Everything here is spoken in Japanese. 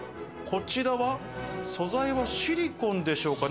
こちらは素材はシリコンでしょうか？